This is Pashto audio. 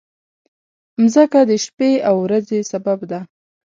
مځکه د شپې او ورځې سبب ده.